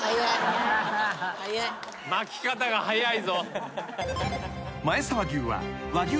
巻き方が早いぞ。